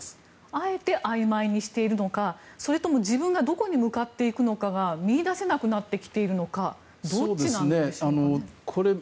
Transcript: あえてあいまいにしているのかそれとも自分がどこに向かっていくのかが見いだせなくなってきているのかどっちなんでしょうか？